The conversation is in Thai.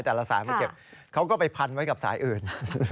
สายมาเก็บเขาก็ไปพันไว้กับสายอื่น